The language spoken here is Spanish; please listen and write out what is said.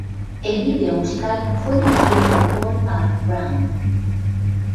El video musical fue dirigido por "Paul R. Brown".